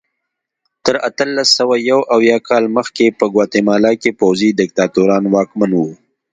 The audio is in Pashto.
تر اتلس سوه یو اویا کال مخکې په ګواتیلا کې پوځي دیکتاتوران واکمن وو.